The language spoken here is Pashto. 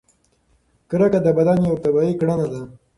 کرکه د بدن یوه طبیعي کړنه ده.